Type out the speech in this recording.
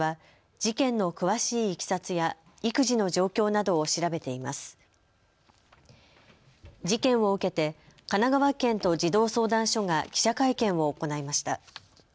事件を受けて神奈川県と児童相談所が記者会見を行いました。